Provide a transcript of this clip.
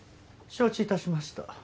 承知致しました。